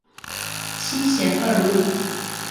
七賢二路